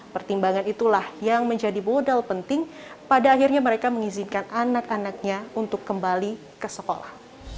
pertimbangan itulah yang menjadi modal penting pada akhirnya mereka mengizinkan anak anaknya untuk kembali ke sekolah